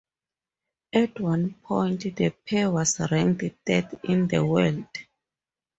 At one point, the pair was ranked third in the world.